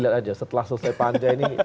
lihat aja setelah selesai panja ini